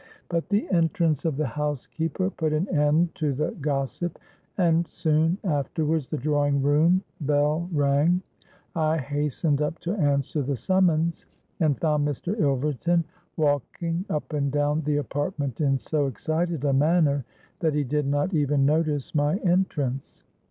But the entrance of the housekeeper put an end to the gossip; and soon afterwards the drawing room bell rang. I hastened up to answer the summons, and found Mr. Ilverton walking up and down the apartment in so excited a manner that he did not even notice my entrance.